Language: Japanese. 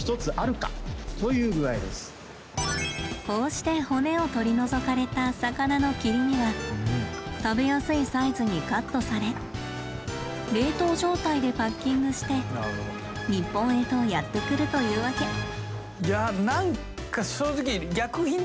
これはこうして骨を取り除かれた魚の切り身は食べやすいサイズにカットされ冷凍状態でパッキングして日本へとやって来るというわけ。